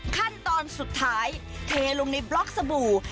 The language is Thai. ขั้นตอนสุดท้ายเทลงในบล็อกสบู่